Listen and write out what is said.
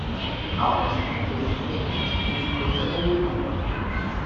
Auch in Spielfilmen erhielt sie nun größere Nebenrollen.